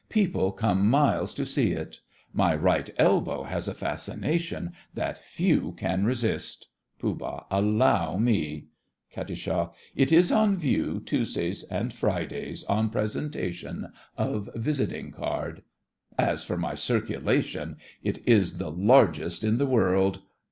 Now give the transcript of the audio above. People come miles to see it. My right elbow has a fascination that few can resist. POOH. Allow me! KAT. It is on view Tuesdays and Fridays, on presentation of visiting card. As for my circulation, it is the largest in the world.